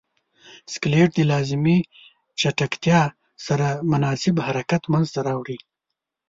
سکلیټ د لازمې چټکتیا سره مناسب حرکت منځ ته راوړي.